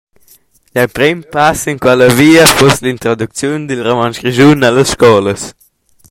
Gl’emprem pass sin quella via fuss l’introducziun dil rumantsch grischun ellas scolas.